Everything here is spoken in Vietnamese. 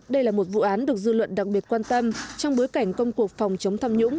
đây là một vụ án được dư luận đặc biệt quan tâm trong bối cảnh công cuộc phòng chống tham nhũng